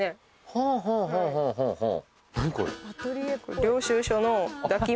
はあはあはあはあはあはあ